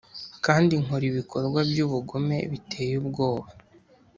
kandi nkora ibikorwa by ubugome biteye ubwoba